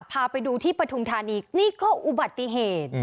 พาไปดูที่ปฐุมธานีนี่ก็อุบัติเหตุ